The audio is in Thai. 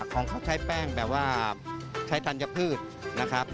ของเขาใช้แป้งแบบว่าใช้ธัญพืชนะครับ